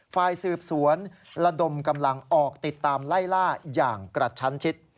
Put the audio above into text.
ฝ่ายสืบสวนระดมกำลังออกติดตามไล่ล่าอย่างกระชั้นชิด